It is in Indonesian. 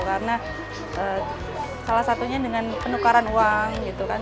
karena salah satunya dengan penukaran uang